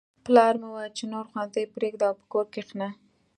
پلار مې وویل چې نور ښوونځی پریږده او په کور کښېنه